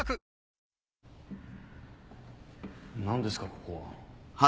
ここは。